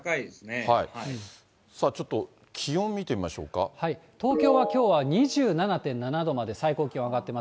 さあちょっと、東京は、きょうは２７．７度まで、あした１９度？